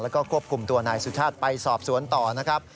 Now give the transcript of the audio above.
แล้วก็ควบคุมตัวนายสุชาติไปสอบสวนต่อนะครับ